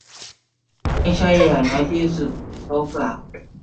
ไม่ใช่อย่างน้อยที่สุด. เขากล่าว